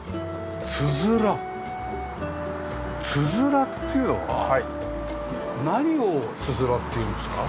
つづらっていうのは何をつづらっていうんですか？